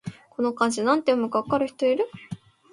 この漢字、なんて読むか分かる人いる？